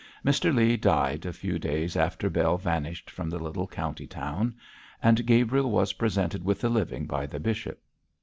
Mr Leigh died a few days after Bell vanished from the little county town: and Gabriel was presented with the living by the bishop.